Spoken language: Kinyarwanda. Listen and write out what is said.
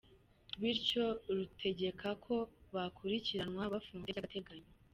Bityo rutegeka ko bakurikiranwa bafunze by’agataganyo.